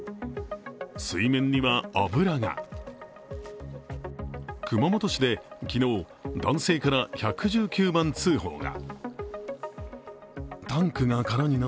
水面には油が熊本市で昨日、男性から１１９番通報が。